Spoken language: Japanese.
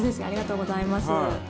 ありがとうございます。